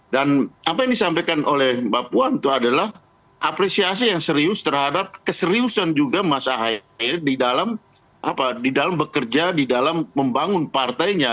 dan apa yang disampaikan oleh mbak puan itu adalah apresiasi yang serius terhadap keseriusan juga mas ahy di dalam bekerja di dalam membangun partainya